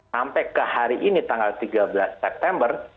sampai ke hari ini tanggal tiga belas september